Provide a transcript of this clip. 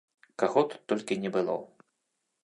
Каго тут толькі не было!